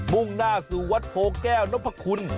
มุ่งหน้าสู่วัดโพแก้วนพคุณ